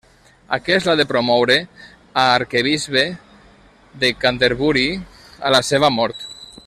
Aquest l'ha de promoure a Arquebisbe de Canterbury a la seva mort.